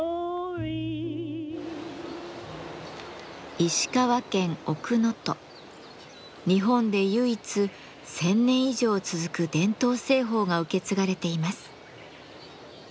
塩鑑賞の小壺は日本で唯一１，０００年以上続く伝統製法が受け継がれています。